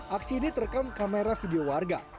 aksi ini terekam kamera video warga